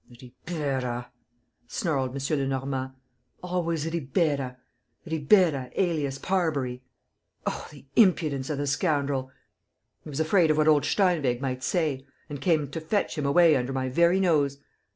..." "Ribeira," snarled M. Lenormand. "Always Ribeira! ... Ribeira, alias Parbury. ... Oh, the impudence of the scoundrel! He was afraid of what old Steinweg might say ... and came to fetch him away under my very nose!"